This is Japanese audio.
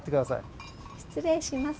失礼します。